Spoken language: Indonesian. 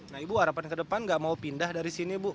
nah ibu harapannya ke depan nggak mau pindah dari sini bu